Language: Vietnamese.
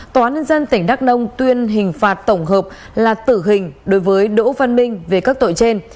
tòa án nhân dân tỉnh đắk nông tuyên hình phạt tổng hợp là tử hình đối với đỗ văn minh về các tội trên